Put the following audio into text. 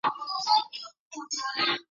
两国都向圣多明克派遣了远征军。